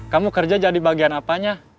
kamu kerja jadi bagian apanya